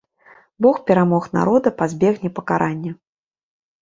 Бог перамог народа пазбегне пакарання.